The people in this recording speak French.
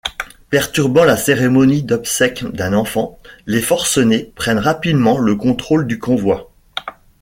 Perturbant la cérémonie d'obsèques d'un enfant, les forcenés prennent rapidement le contrôle du convoi.